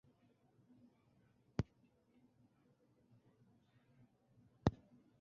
আবদুল লতিফ খান বর্তমানে শ্রম অধিদপ্তরের মহাপরিচালক।